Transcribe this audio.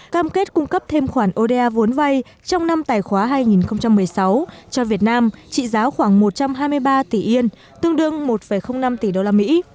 cam kết cung cấp thêm khoản oda vốn vay trong năm tài khóa hai nghìn một mươi sáu cho việt nam trị giá khoảng một trăm hai mươi ba tỷ yên tương đương một năm tỷ usd